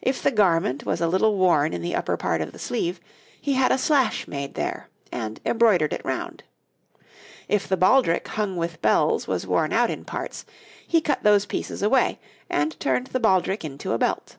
If the garment was a little worn in the upper part of the sleeve, he had a slash made there, and embroidered it round. If the baldrick hung with bells was worn out in parts, he cut those pieces away and turned the baldrick into a belt.